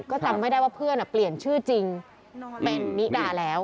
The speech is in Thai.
ก็จำไม่ได้ว่าเพื่อนเปลี่ยนชื่อจริงเป็นนิดาแล้ว